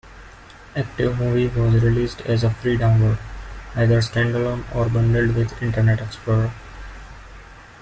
ActiveMovie was released as a free download, either standalone or bundled with Internet Explorer.